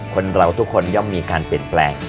คนเราทุกคนย่อมมีการเปลี่ยนแปลง